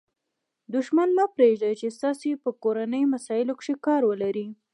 دوښمن مه پرېږدئ، چي ستاسي په کورنۍ مسائلو کښي کار ولري.